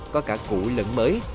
có cả cũ lẫn mới